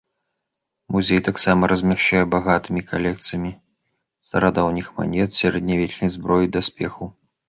Музей таксама размяшчае багатымі калекцыямі старадаўніх манет, сярэднявечнай зброі і даспехаў.